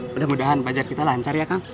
mudah mudahan pajak kita lancar ya kan